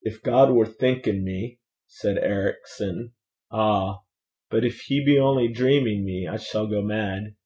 'If God were thinking me,' said Ericson, 'ah! But if he be only dreaming me, I shall go mad.'